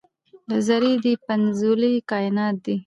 له ذرې دې پنځولي کاینات دي